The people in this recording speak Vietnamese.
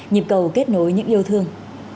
nhịp cầu kết nối những yêu thương